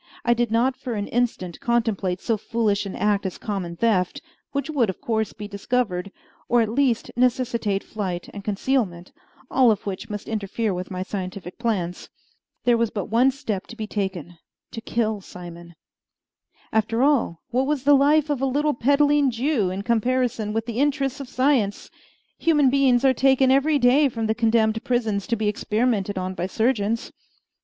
I did not for an instant contemplate so foolish an act as a common theft, which would of course be discovered, or at least necessitate flight and concealment, all of which must interfere with my scientific plans. There was but one step to be taken to kill Simon. After all, what was the life of a little peddling Jew in comparison with the interests of science? Human beings are taken every day from the condemned prisons to be experimented on by surgeons.